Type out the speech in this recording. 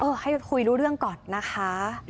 ให้คุยรู้เรื่องก่อนนะคะ